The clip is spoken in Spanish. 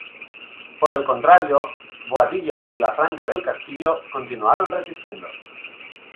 Por el contrario, Boadilla y Villafranca del Castillo continuaron resistiendo.